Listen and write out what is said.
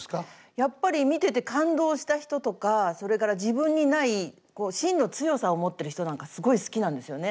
やっぱり見てて感動した人とかそれから自分にないしんの強さを持ってる人なんかすごい好きなんですよね。